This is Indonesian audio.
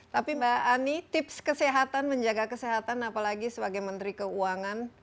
tapi mbak ani tips kesehatan menjaga kesehatan apalagi sebagai menteri keuangan